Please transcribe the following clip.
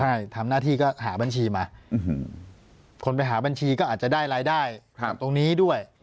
ใช่ทำหน้าที่ก็หาบัญชีมาคนไปหาบัญชีก็อาจจะได้รายได้จากตรงนี้ด้วย